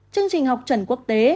chương trình học trần quốc tế